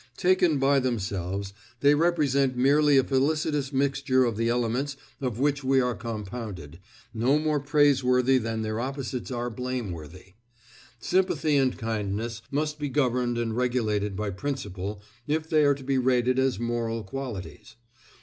Taken by themselves, they represent merely a felicitous mixture of the elements of which we are compounded, no more praiseworthy than their opposites are blameworthy. Sympathy and kindness must be governed and regulated by principle, if they are to be rated as moral qualities.